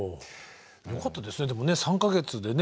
よかったですねでもね３か月でね